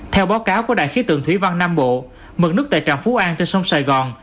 theo báo cáo của đại khí tượng thủy văn nam bộ mực nước tại trạm phú an trên sông sài gòn